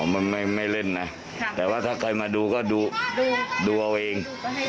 มันไม่เล่นนะแต่ว่าถ้าใครมาดูก็ดูเอาเอง